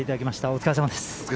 お疲れさまです。